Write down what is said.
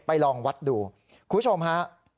ลองวัดดูคุณผู้ชมฮะ